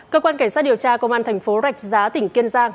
cơ quan cảnh sát điều tra công an thành phố rạch giá tỉnh kiên giang